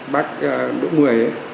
bác đỗ mười